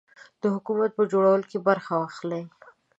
د حکومت په جوړولو کې برخه واخلي.